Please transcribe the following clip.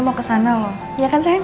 mau kesana loh ya kan sayang